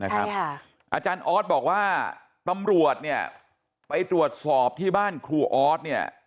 อศัลย์บอกว่าตำรวจเนี่ยไปตรวจสอบที่บ้านครูออธ